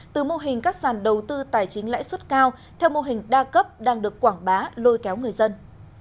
từ mô hình các sàn đầu tư tài chính lãi suất cao theo mô hình đa cấp đang được quảng bá lôi kéo người dân